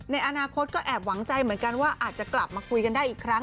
ในอนาคตก็แอบหวังใจเหมือนกันว่าอาจจะกลับมาคุยกันได้อีกครั้ง